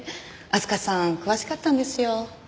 明日香さん詳しかったんですよ。